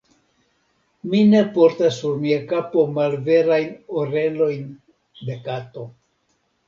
Mi ne portas sur mia kapo malverajn orelojn de kato.